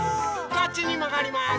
こっちにまがります。